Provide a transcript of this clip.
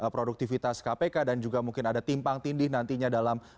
produktivitas kpk dan juga mungkin ada timpang tindih nantinya dalam